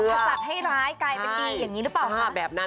ถ้าสักให้ร้ายกลายเป็นดีอย่างนี้หรือเปล่าค่ะ